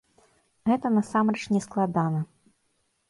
Гэта насамрэч не складана.